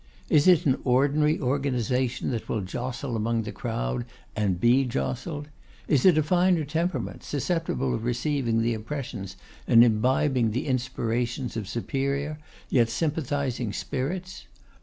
Is it an ordinary organisation that will jostle among the crowd, and be jostled? Is it a finer temperament, susceptible of receiving the impressions and imbibing the inspirations of superior yet sympathising spirits?